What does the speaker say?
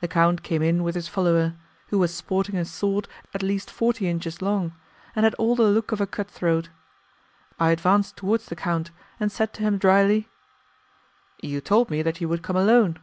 The count came in with his follower, who was sporting a sword at least forty inches long, and had all the look of a cut throat. I advanced towards the count, and said to him dryly, "You told me that you would come alone."